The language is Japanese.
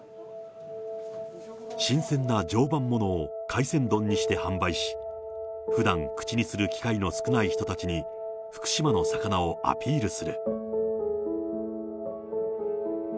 新鮮な常磐ものを海鮮丼にして販売し、ふだん口にする機会の少ない人たちに、福島の魚をアピールする。